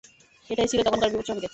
এটাই ছিল তখনকার বিপদ সংকেত।